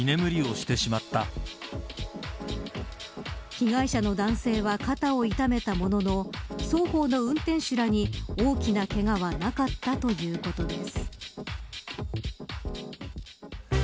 被害者の男性は肩を痛めたものの双方の運転手らに大きなけがはなかったということです。